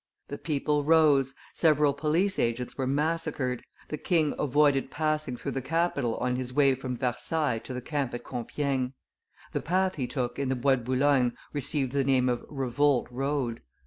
The people rose, several police agents were massacred; the king avoided passing through the capital on his way from Versailles to the camp at Compiegne; the path he took in the Bois de Boulogne received the name of Revolt Road.